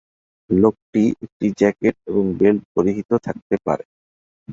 লোকটি একটি জ্যাকেট এবং বেল্ট পরিহিত থাকতে পারে।